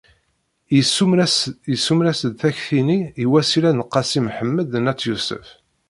Yessumer-as-d takti-nni i Wasila n Qasi Mḥemmed n At Yusef.